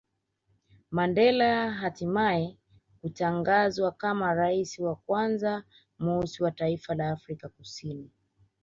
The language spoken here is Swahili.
Mandela hatimae kutangazwa kama rais wa kwanza mweusi wa taifa la Afrika Kusini